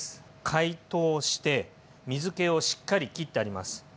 解凍して水けをしっかりきってあります。